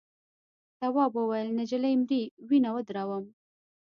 تواب وویل نجلۍ مري وینه ودروم.